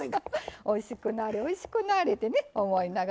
おいしくなれおいしくなれってね思いながら。